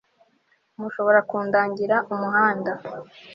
mushobora kundangira umuhanda